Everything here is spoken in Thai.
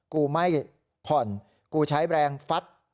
กูไม่ผ่อนกูใช้แรงฟัด